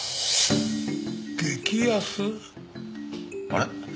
あれ？